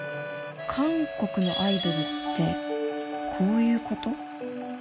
韓国のアイドルってこういうこと？